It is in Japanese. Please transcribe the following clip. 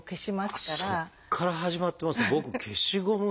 そこから始まってますね。